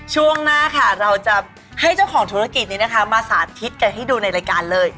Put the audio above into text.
ช่วงหน้าค่ะเราจะให้เจ้าของธุรกิจนี้นะคะมาสาธิตกันให้ดูในรายการเลย